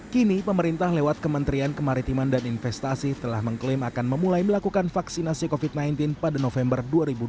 kini pemerintah lewat kementerian kemaritiman dan investasi telah mengklaim akan memulai melakukan vaksinasi covid sembilan belas pada november dua ribu dua puluh